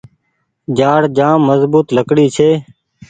جآڙ جآم مزبوت لڪڙي ڇي۔